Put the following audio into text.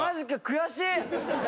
悔しい！